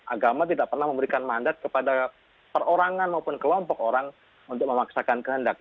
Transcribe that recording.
agama tidak pernah memberikan mandat kepada perorangan maupun kelompok orang untuk memaksakan kehendak